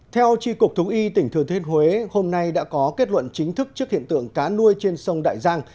theo tri cục thú y tỉnh thừa thiên huế hôm nay đã có kết luận chính thức trước hiện tượng cá nuôi trên sông đại giang